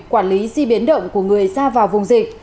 quản lý di biến động của người ra vào vùng dịch